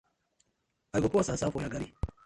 I go pour sand sand for your garri.